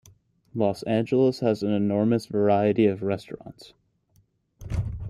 Los Angeles has an enormous variety of restaurants.